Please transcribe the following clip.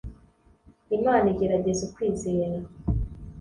imana igerageza ukwizera